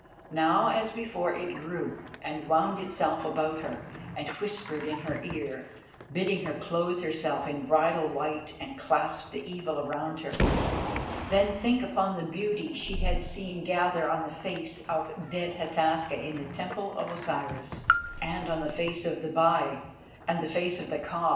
Now, as before, it grew and wound itself about her, and whispered in her ear, bidding her clothe herself in bridal white and clasp the Evil around her; then think upon the beauty she had seen gather on the face of dead Hataska in the Temple of Osiris, and on the face of the Bai, and the face of the Ka.